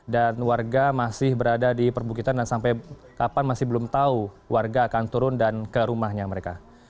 dan warga masih berada di perbukitan dan sampai kapan masih belum tahu warga akan turun dan ke rumahnya mereka